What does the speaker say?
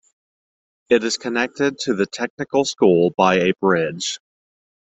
It is connected to the Technical School by a bridge.